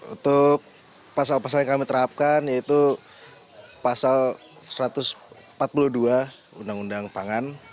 untuk pasal pasal yang kami terapkan yaitu pasal satu ratus empat puluh dua undang undang pangan